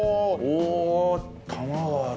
おお玉がある。